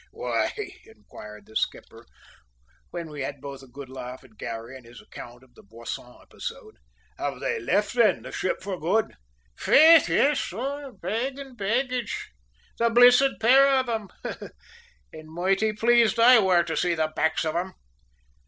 "Why," inquired the skipper, when we had both a good laugh at Garry and his account of the Boisson episode, "have they left, then, the ship for good?" "Faith, yis, sor, bag an' baggage, the blissid pair of 'em, an' moighty pleased I wor to say the backs of 'em!"